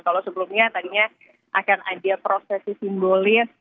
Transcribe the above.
kalau sebelumnya tadinya akan ada prosesi simbolis